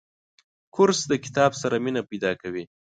کورس د کتاب سره مینه پیدا کوي.